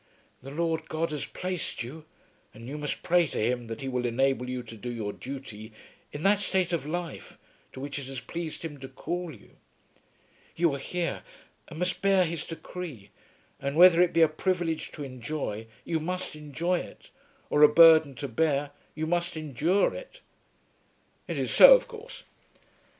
"The Lord God has placed you, and you must pray to Him that He will enable you to do your duty in that state of life to which it has pleased Him to call you. You are here and must bear his decree; and whether it be a privilege to enjoy, you must enjoy it, or a burden to bear, you must endure it." "It is so of course."